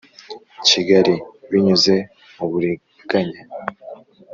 Kigali binyuze mu buriganya